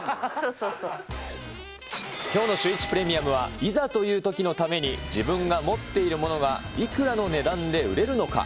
きょうのシューイチプレミアムは、いざというときのために、自分が持っているものがいくらの値段で売れるのか。